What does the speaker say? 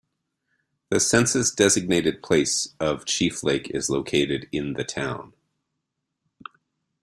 The census-designated place of Chief Lake is located in the town.